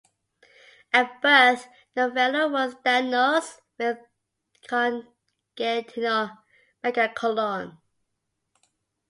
At birth, Novello was diagnosed with Congenital megacolon.